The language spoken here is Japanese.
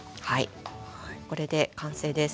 これで完成です。